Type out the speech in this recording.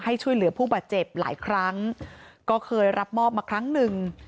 ช่วยเหลือผู้บาดเจ็บหลายครั้งก็เคยรับมอบมาครั้งหนึ่ง